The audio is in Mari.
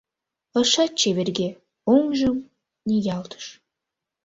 Ышат чеверге, оҥжым ниялтыш.